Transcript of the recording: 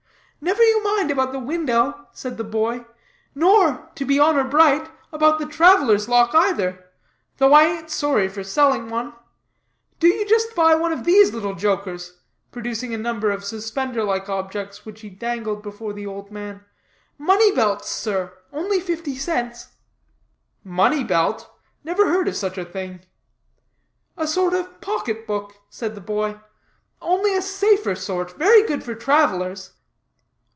"Never you mind about the window," said the boy, "nor, to be honor bright, about the traveler's lock either, (though I ain't sorry for selling one), do you just buy one of these little jokers," producing a number of suspender like objects, which he dangled before the old man; "money belts, sir; only fifty cents." "Money belt? never heard of such a thing." "A sort of pocket book," said the boy, "only a safer sort. Very good for travelers."